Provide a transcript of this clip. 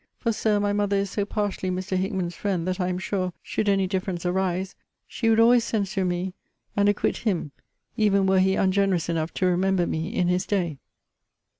For, Sir, my mother is so partially Mr. Hickman's friend, that I am sure, should any difference arise, she would always censure me, and acquit him; even were he ungenerous enough to remember me in his day.